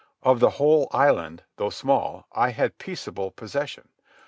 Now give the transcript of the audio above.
Of the whole island, though small, I had peaceable possession.